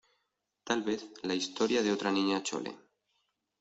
¡ tal vez la historia de otra Niña Chole!